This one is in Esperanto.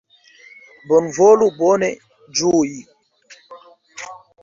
Bonvolu bone ĝui!